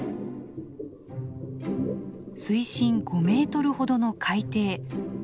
水深５メートルほどの海底。